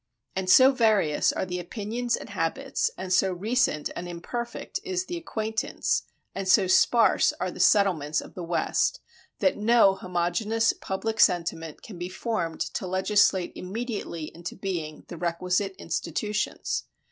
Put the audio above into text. And so various are the opinions and habits, and so recent and imperfect is the acquaintance, and so sparse are the settlements of the West, that no homogeneous public sentiment can be formed to legislate immediately into being the requisite institutions.